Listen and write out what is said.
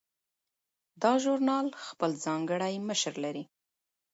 دا ژورنال خپل ځانګړی مشر لري.